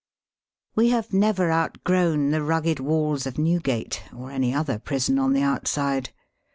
We have never outgrown the rugged walls of Newgate, or any other prison on the out side.